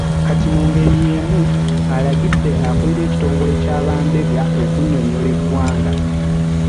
Kati mu ngeri y'emu, alagidde akulira ekitongole kya bambega okunnyonnyola eggwanga.